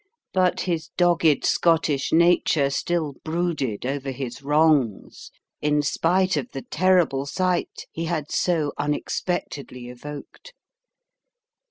But his dogged Scottish nature still brooded over his wrongs, in spite of the terrible sight he had so unexpectedly evoked.